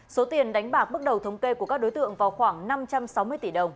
số tiền đánh bạc bước đầu thống kê của các đối tượng vào khoảng năm trăm sáu mươi tỷ đồng